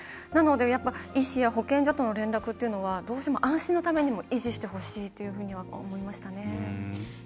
なので、医師や保健所との連絡というのはどうしても安心のためにも維持してほしいと思いましたね。